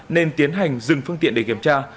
nên tiến hành dừng phương tiện để kiểm tra